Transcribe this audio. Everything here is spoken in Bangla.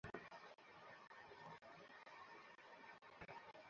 আচ্ছা থামো-- - আচ্ছা থামো।